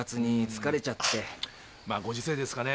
ご時世ですかね